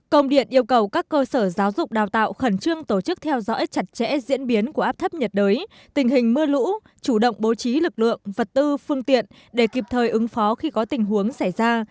công điện yêu cầu các cơ sở giáo dục đào tạo khẩn trương tổ chức theo dõi chặt chẽ diễn biến của áp thấp nhiệt đới tình hình mưa lũ chủ động bố trí lực lượng vật tư phương tiện để kịp thời ứng phó khi có tình huống xảy ra